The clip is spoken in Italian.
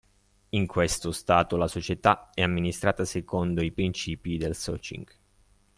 In questo stato la società è amministrata secondo i principi del Socing.